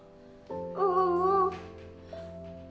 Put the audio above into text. ママ。